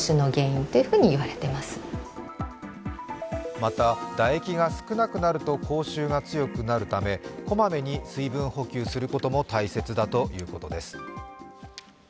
また、唾液が少なくなると口臭が強くなるためこまめに水分補給することも大切だということです。